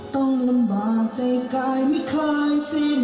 ต้องลำบากใจกายไม่เคยสิ้น